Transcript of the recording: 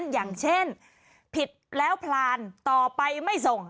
อย่างเช่นผิดแล้วพลานต่อไปไม่ส่ง